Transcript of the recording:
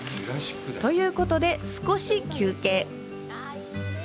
ということで、少し休憩。